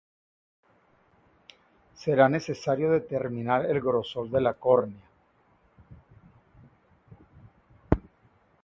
Será necesario determinar el grosor de la córnea.